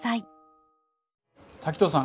滝藤さん